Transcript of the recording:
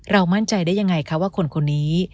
มั่นใจได้ยังไงคะว่าคนนี้